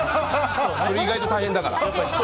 それ、意外と大変だから。